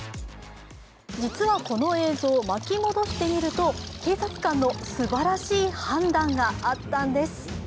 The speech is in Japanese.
実はこの映像、巻き戻してみると警察官のすばらしい判断があったのです。